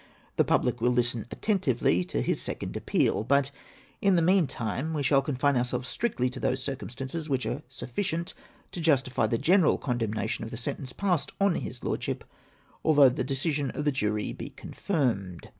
The public mil listen attentively to his second appeal ; but, in the meantime, we shall confine ourselves strictly to those circumstances which are sufficient to justify the general con demnation of the sentence passed on his Lordship, although the decision of the jury be confirmed.